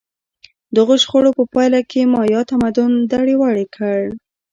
دغو شخړو په پایله کې مایا تمدن دړې وړې کړ.